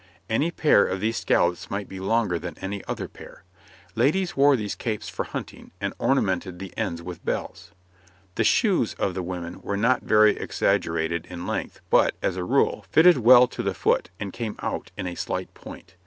Any pair of these scallops might be longer than any other pair. Ladies wore these capes for hunting, and ornamented the ends with bells. The shoes of the women were not very exaggerated in length, but, as a rule, fitted well to the foot and came out in a slight point.